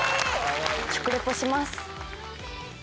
食リポします。